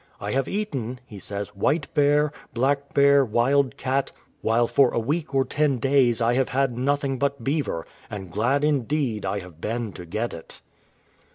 "I have eaten,"" he says, "white bear, black bear, wild cat ; while for a week or ten days I have had nothing but beaver, and glad indeed I have been to get it."